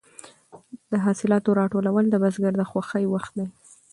د حاصلاتو راټولول د بزګر د خوښۍ وخت دی.